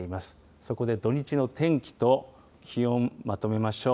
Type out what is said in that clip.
そこで土日の天気と気温、まとめましょう。